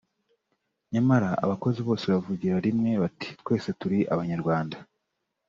nyamara abakozi bose bavugira rimwe bati “twese turi Abanyarwanda